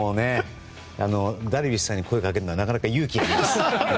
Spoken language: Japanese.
ダルビッシュさんに声をかけるのはなかなか勇気がいります。